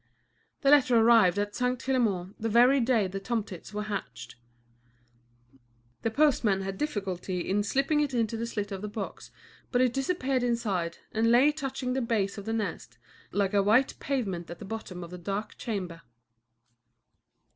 The letter arrived at St. Philémon the very day the tomtits were hatched. The postman had difficulty in slipping it into the slit of the box, but it disappeared inside and lay touching the base of the nest, like a white pavement at the bottom of the dark chamber.